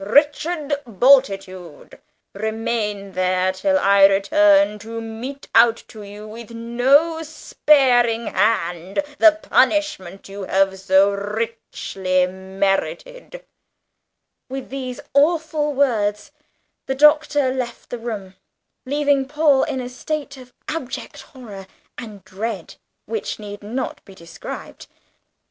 Richard Bultitude, remain there till I return to mete out to you with no sparing hand the punishment you have so richly merited." With these awful words the Doctor left the room, leaving Paul in a state of abject horror and dread which need not be described.